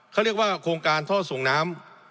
เขาเรียกว่าโครงการท่อส่งน้ำ